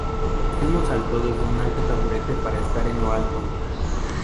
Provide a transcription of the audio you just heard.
Anselmo saltó desde un taburete para estar en lo alto.